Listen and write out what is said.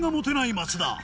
松田